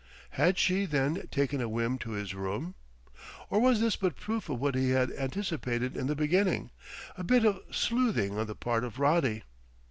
Had she, then, taken a whim to his room? Or was this but proof of what he had anticipated in the beginning a bit of sleuthing on the part of Roddy?